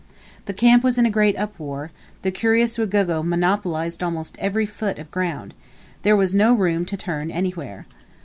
The camp was in a great uproar; the curious Wagogo monopolized almost every foot of ground; there was no room to turn anywhere.